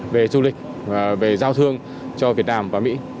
về giao thương cho việt nam và mỹ